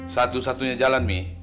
satu satunya jalan mi